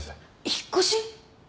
引っ越し？